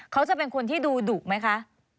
เขาจะเป็นคนที่ดูดุไหมคะ